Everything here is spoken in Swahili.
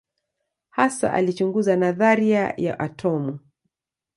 Hasa alichunguza nadharia ya atomu.